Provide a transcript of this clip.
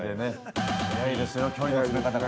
◆早いですよ、距離の詰め方が。